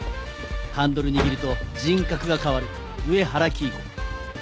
ハンドル握ると人格が変わる上原黄以子。